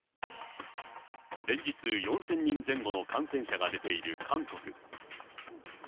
連日、４０００人前後の感染者が出ている韓国。